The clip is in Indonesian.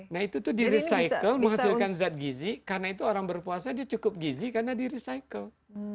nah itu tuh di recycle menghasilkan zat gizi karena itu orang berpuasa dia cukup gizi karena di recycle